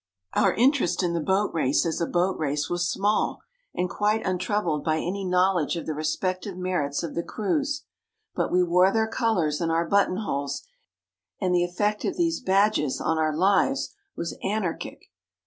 Our interest in the Boat Race as a boat race was small, and quite untroubled by any knowledge of the respective merits of the crews. But we wore their colours in our buttonholes, and the effect of these badges on our lives was anarchic.